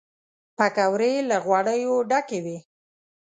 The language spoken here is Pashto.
پکورې له غوړیو ډکې وي